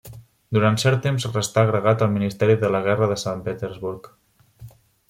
Durant cert temps restà agregat al ministeri de la Guerra de Sant Petersburg.